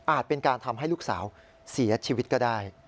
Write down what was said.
เป็นการทำให้ลูกสาวเสียชีวิตก็ได้